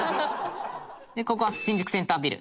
ここは新宿センタービル。